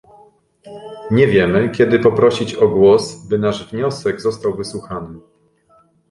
nie wiemy, kiedy poprosić o głos, by nasz wniosek został wysłuchany